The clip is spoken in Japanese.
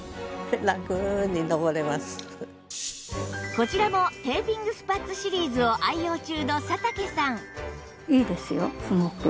こちらもテーピングスパッツシリーズを愛用中の佐竹さん